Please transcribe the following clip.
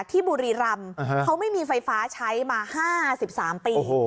บุรีรำเขาไม่มีไฟฟ้าใช้มา๕๓ปี